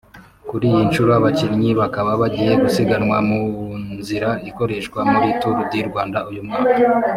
Kuri iyi nshuro abakinnyi bakaba bagiye gusiganwa mu nzira izakoreshwa muri Tour du Rwanda uyu mwaka